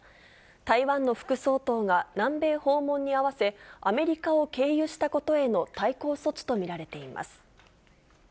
台湾の副総統が南米訪問に合わせ、アメリカを経由したことへの対抗措置と見られています。